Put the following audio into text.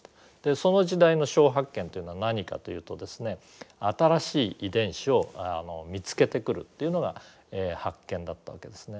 その時代の小発見というのは何かというとですね新しい遺伝子を見つけてくるというのが発見だったわけですね。